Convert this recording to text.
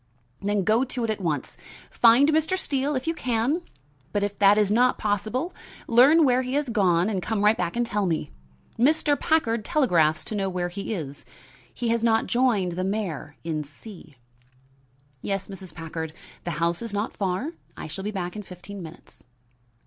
"Then go to it at once. Find Mr. Steele if you can, but if that is not possible, learn where he has gone and come right back and tell me. Mr. Packard telegraphs to know where he is. He has not joined the mayor in C ." "Yes, Mrs. Packard; the house is not far. I shall be back in fifteen minutes."